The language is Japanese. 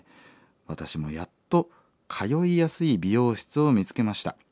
私もやっと通いやすい美容室を見つけました。